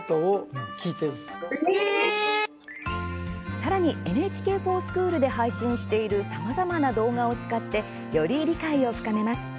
さらに「ＮＨＫｆｏｒＳｃｈｏｏｌ」で配信しているさまざまな動画を使ってより理解を深めます。